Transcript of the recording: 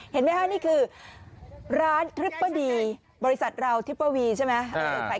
เห็นไหมครับนี่คือร้านทริปดีบริษัทเราทริปวีใช่ไหม